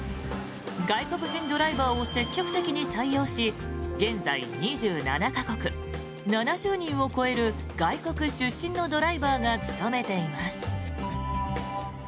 外国人ドライバーを積極的に採用し現在、２７か国７０人を超える外国出身のドライバーが勤めています。